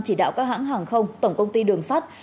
chỉ đạo các hãng hàng không tổng công ty đường sắt